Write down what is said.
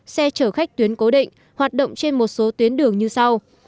xe chở khách tuyến cố định hoạt động trên một số tuyến đường như sau